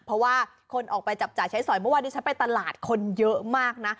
เพราะว่าคนออกไปจับจ่ายใช้สอยเมื่อวานนี้ฉันไปตลาดคนเยอะมากนะ